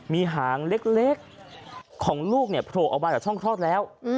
มีหางเล็กของลูกเนี่ยโผล่ออกมาจากช่องคลอดแล้ว